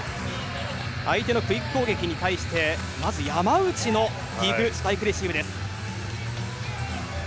相手のクイック攻撃に対してまず山内のディグスパイクレシーブです。